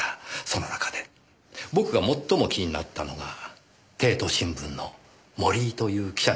その中で僕が最も気になったのが帝都新聞の森井という記者の方です。